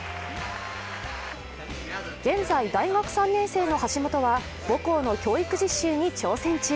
現在、大学３年生の橋本は母校の教育実習に挑戦中。